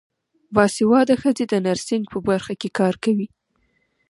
باسواده ښځې د نرسنګ په برخه کې کار کوي.